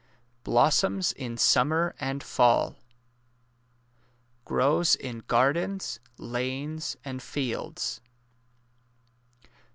Blossoms in smnmer and fall. Grows in gardens, lanes, and fields.